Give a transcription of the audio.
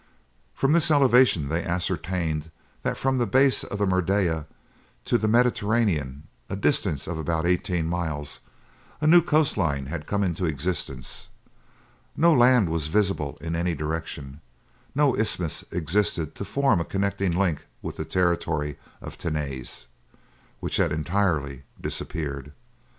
From this elevation they ascertained that from the base of the Merdeyah to the Mediterranean, a distance of about eighteen miles, a new coast line had come into existence; no land was visible in any direction; no isthmus existed to form a connecting link with the territory of Tenes, which had entirely disappeared.